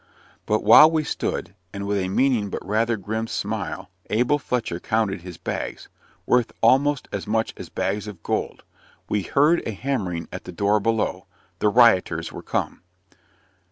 But while we stood, and with a meaning but rather grim smile Abel Fletcher counted his bags, worth almost as much as bags of gold we heard a hammering at the door below. The rioters were come.